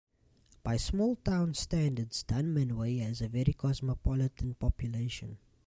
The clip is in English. By small town standards Dunmanway has a very cosmopolitan population.